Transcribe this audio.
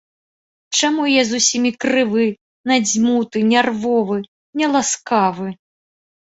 Чаму я з усімі крывы, надзьмуты, нервовы, няласкавы?